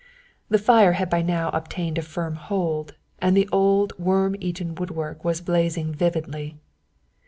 The fire had by now obtained a firm hold, and the old worm eaten woodwork was blazing vividly.